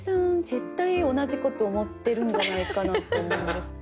絶対同じこと思ってるんじゃないかなって思うんですけど。